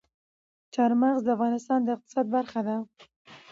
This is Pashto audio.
چار مغز د افغانستان د اقتصاد برخه ده.